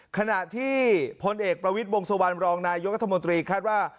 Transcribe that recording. ขณะที่พลเอกประวิทย์วงสุวรรณรองนายกรัฐมนตรีคาดว่า